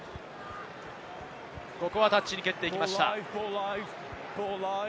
タッチに蹴っていきました。